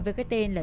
với cái tên là